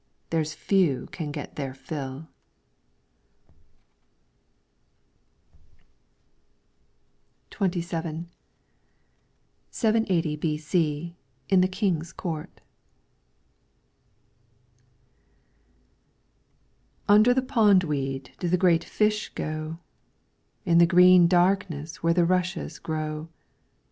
There's few can get their fill. 30 LYRICS FROM THE CHINESE XXVII 780 B.C. in the King's Court. Under the pondweed do the great fish go, In the green darkness where the rushes grow.